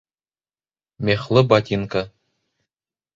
Мехлы ботинка